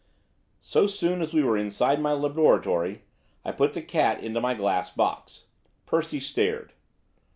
So soon as we were inside my laboratory, I put the cat into my glass box. Percy stared.